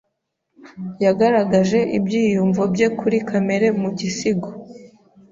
Yagaragaje ibyiyumvo bye kuri kamere mu gisigo.